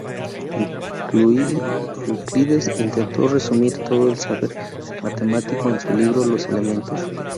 Euclides intentó resumir todo el saber matemático en su libro "Los elementos".